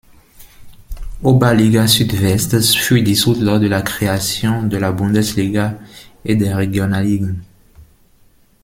Oberliga Südwest fut dissoute lors de la création de la Bundesliga et des Regionalligen.